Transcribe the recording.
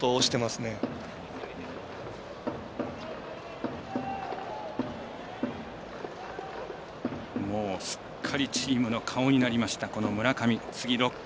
すっかりチームの顔になりました、村上。